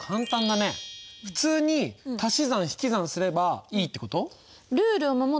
普通に足し算引き算すればいいってこと？